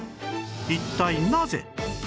一体なぜ？